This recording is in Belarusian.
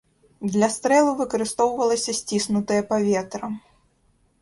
Для стрэлу выкарыстоўвалася сціснутае паветра.